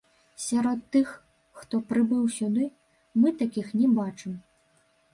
Сярод тых, хто прыбыў сюды, мы такіх не бачым.